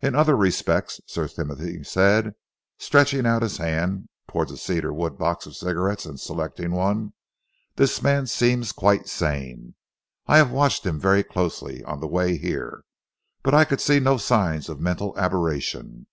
"In other respects," Sir Timothy said, stretching out his hand towards a cedar wood box of cigarettes and selecting one, "this man seems quite sane. I have watched him very closely on the way here, but I could see no signs of mental aberration.